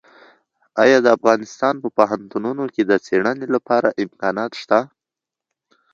ایا د افغانستان په پوهنتونونو کې د څېړنې لپاره امکانات شته؟